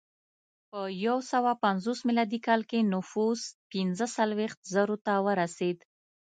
په یو سوه پنځوس میلادي کال کې نفوس پنځه څلوېښت زرو ته ورسېد